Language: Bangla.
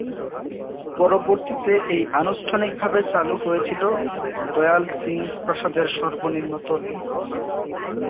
পরবর্তীতে এটি আনুষ্ঠানিকভাবে চালু হয়েছিল দয়াল সিং প্রাসাদের সর্বনিম্ন তলে।